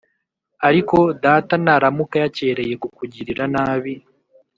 Ariko data naramuka yakereye kukugirira nabi